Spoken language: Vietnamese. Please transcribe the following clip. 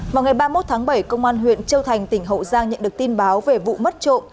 vào ngày ba mươi một tháng bảy công an huyện châu thành tỉnh hậu giang nhận được tin báo về vụ mất trộm